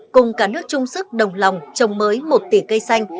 cùng cả nước chung sức đồng lòng trồng mới một tỷ cây xanh